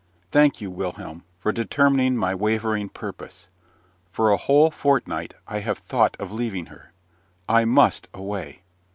Thank you, Wilhelm, for determining my wavering purpose. For a whole fortnight I have thought of leaving her. I must away.